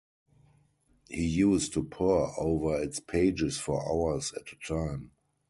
He used to pore over its pages for hours at a time.